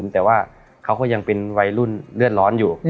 แต่ว่าเขาก็ยังเป็นวัยรุ่นเลือดร้อนอยู่